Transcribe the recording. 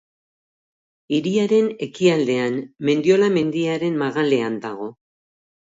Hiriaren ekialdean, Mendiola mendiaren magalean dago.